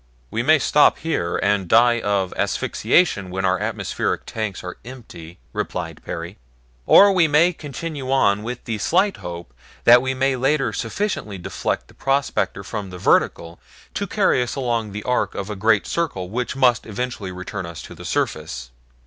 "We may stop here, and die of asphyxiation when our atmosphere tanks are empty," replied Perry, "or we may continue on with the slight hope that we may later sufficiently deflect the prospector from the vertical to carry us along the arc of a great circle which must eventually return us to the surface.